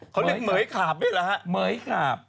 เขาเรียกเมย์ขาบไว้แล้วฮะเมย์ขาบ